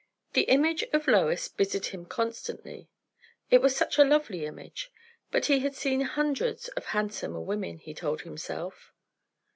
The image of Lois busied him constantly. It was such a lovely image. But he had seen hundreds of handsomer women, he told himself.